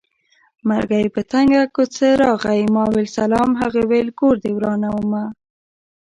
مرګی په تنګه کوڅه راغی ما وېل سلام هغه وېل کور دې ورانومه